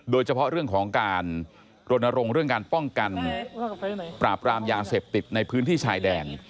โดยเฉพาะเรื่องของการรณรงค์เรื่องการป้องกันปราบรามยาเสพติดในพื้นที่ชายแดน